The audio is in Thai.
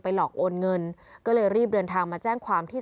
หลอกโอนเงินก็เลยรีบเดินทางมาแจ้งความที่